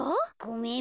ごめん。